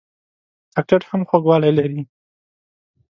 چاکلېټ هم خوږوالی لري.